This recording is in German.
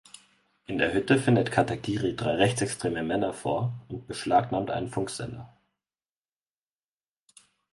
In der Hütte findet Katagiri drei rechtsextreme Männer vor und beschlagnahmt einen Funksender.